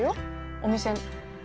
お店。